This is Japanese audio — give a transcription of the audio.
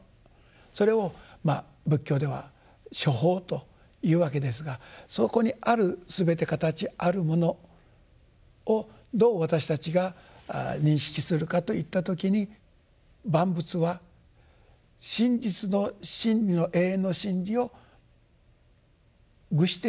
それを仏教では「諸法」というわけですがそこにあるすべて形あるものをどう私たちが認識するかといった時に万物は真実の真理の永遠の真理を具している。